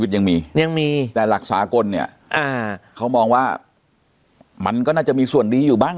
ยังมียังมีแต่หลักสากลเนี่ยอ่าเขามองว่ามันก็น่าจะมีส่วนดีอยู่บ้าง